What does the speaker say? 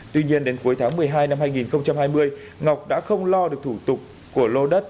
tuy nhiên đến cuối tháng một mươi hai năm hai nghìn hai mươi ngọc đã không lo được thủ tục của lô đất